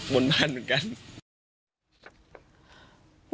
บนบ้านเหมือนกัน